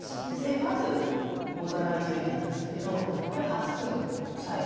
まず大皿についてなんですけどこれ８寸サイズ。